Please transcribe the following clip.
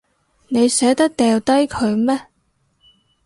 你捨得掉低佢咩？